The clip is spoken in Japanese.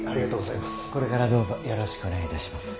これからどうぞよろしくお願いいたします。